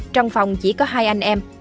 trong phòng chỉ có hai anh em